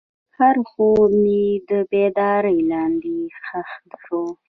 هر خوب مې د بیدارۍ لاندې ښخ شو.